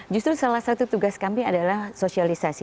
justru salah satu tugas kami adalah sosialisasi